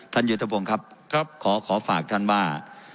ยุทธพงศ์ครับขอฝากท่านว่า